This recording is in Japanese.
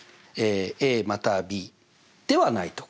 ＡまたはＢではない所。